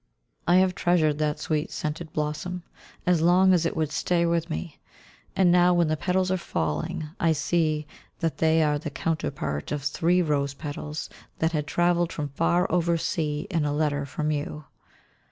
I have treasured that sweet scented blossom as long as it would stay with me; and now, when the petals are falling, I see that they are the counterpart of three rose petals that had travelled from far over sea in a letter from you.